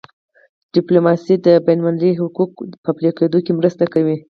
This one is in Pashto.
ډیپلوماسي د بینالمللي حقوقو په پلي کېدو کي مرسته کوي.